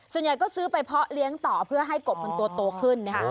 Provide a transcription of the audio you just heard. ส่วนใหญ่ก็ซื้อไปเพาะเลี้ยงต่อเพื่อให้กบมันตัวโตขึ้นนะคะ